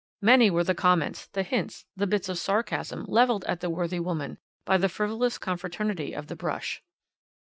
"Many were the comments, the hints, the bits of sarcasm levelled at the worthy woman by the frivolous confraternity of the brush.